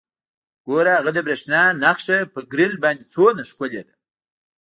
ګوره هغه د بریښنا نښه په ګریل باندې څومره ښکلې ده